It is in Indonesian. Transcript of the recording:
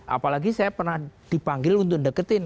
apalagi saya pernah dipanggil untuk deketin